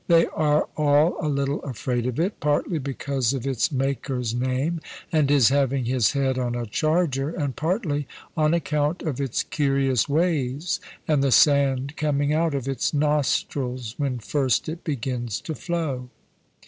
They are all a little afraid of it, partly because of its maker's name, and his having his head on a charger, and partly on account of its curious ways, and the sand coming out of its "nostrils" when first it begins to flow.